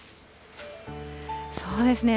そうですね。